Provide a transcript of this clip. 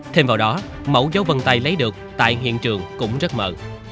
thêm vào đó mẫu dấu vân tay lấy được tại hiện trường cũng rất mờ